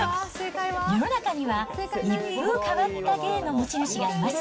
世の中には、一風変わった芸の持ち主がいます。